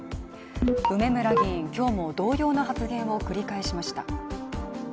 梅村議員、今日も同様の発言を繰り返しました。